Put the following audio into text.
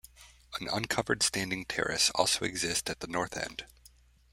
An uncovered standing terrace also exists at the north end.